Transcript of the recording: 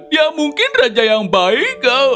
ya mungkin raja yang baik